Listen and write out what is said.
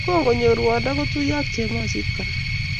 Kongonyor ruondo kotuiyo ak chemosit kora